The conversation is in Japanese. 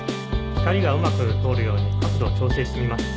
・光がうまく通るように角度を調整してみます。